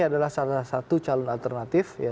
adalah salah satu calon alternatif